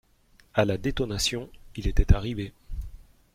À la détonation, il était arrivé.